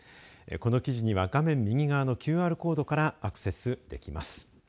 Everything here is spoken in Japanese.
この記事には画面右側のＱＲコードからアクセスできます。